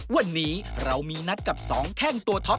วันนี้เรามีนัดกับสองแข้งตัวท็อป